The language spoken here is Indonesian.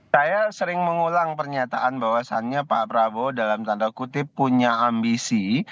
saya sering mengulang pernyataan bahwasannya pak prabowo dalam tanda kutip punya ambisi